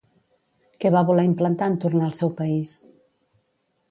Què va voler implantar en tornar al seu país?